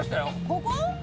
ここ？